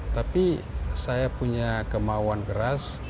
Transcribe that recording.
tapi saya punya kemauan keras